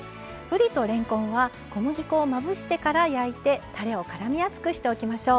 ぶりとれんこんは小麦粉をまぶしてから焼いてたれを絡みやすくしておきましょう。